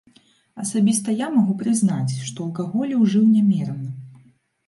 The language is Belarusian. Асабіста я магу прызнаць, што алкаголю ўжыў нямерана.